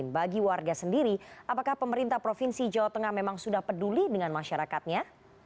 bagi warga sendiri apakah pemerintah provinsi jawa tengah memang sudah peduli dengan masyarakatnya